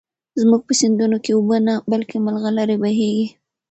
زموږ په سيندونو کې اوبه نه، بلكې ملغلرې بهېږي.